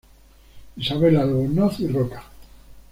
Isabel Albornoz y Roca.